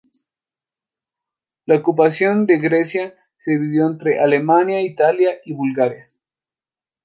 La ocupación de Grecia se dividió entre Alemania, Italia y Bulgaria.